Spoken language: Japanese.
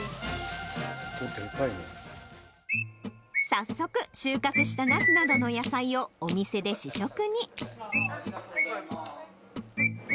早速、収穫したナスなどの野菜を、お店で試食に。